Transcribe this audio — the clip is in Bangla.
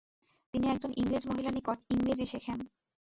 তিনি একজন ইংরেজ মহিলার নিকট ইংরেজি শেখেন।